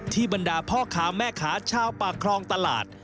ที่บรรดาพ่อขาแม่ขาชาวปากครองตลาด